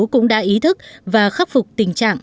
cũng đã ý thức và khắc phục tình trạng